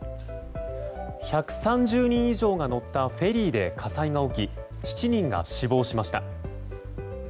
１３０人以上が乗ったフェリーで火災が起き７人が死亡しました。